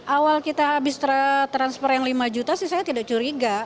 awal kita habis transfer yang lima juta sih saya tidak curiga